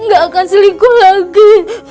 gak akan selingkuh lagi